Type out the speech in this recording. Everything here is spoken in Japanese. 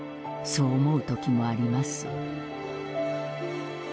そう思う時もあります。